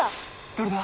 どれだ？